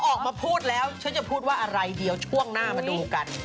ออกมาพูดแล้วฉันจะพูดว่าอะไรเดี๋ยวช่วงหน้ามาดูกัน